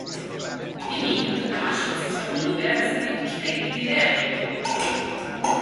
Bi minutu eta hamazortzi segundo behar izan dituzte ibilbidea egiteko.